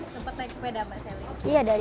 sempat naik sepeda mbak selly